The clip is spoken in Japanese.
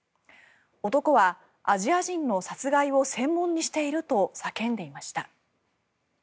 男は、アジア人の殺害を専門にしていると叫んでいました。